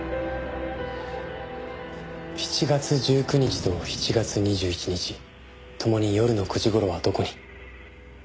７月１９日と７月２１日ともに夜の９時頃はどこに？